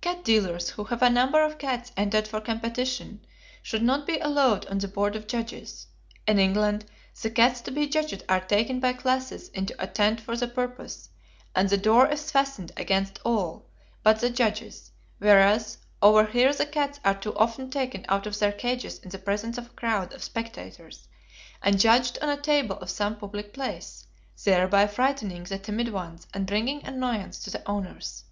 Cat dealers who have a number of cats entered for competition, should not be allowed on the board of judges. In England, the cats to be judged are taken by classes into a tent for the purpose, and the door is fastened against all but the judges; whereas over here the cats are too often taken out of their cages in the presence of a crowd of spectators and judged on a table or some public place, thereby frightening the timid ones and bringing annoyance to the owners.